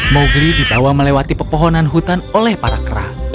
mowgli dibawa melewati pepohonan hutan oleh para kera